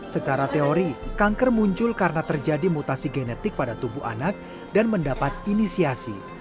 secara teori kanker muncul karena terjadi mutasi genetik pada tubuh anak dan mendapat inisiasi